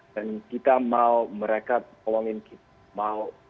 dan kita mau mereka tolongin mau